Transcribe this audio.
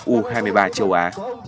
u hai mươi ba châu á